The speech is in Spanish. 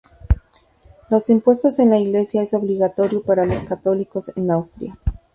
Los Impuestos en la Iglesia es obligatorio para los católicos en Austria.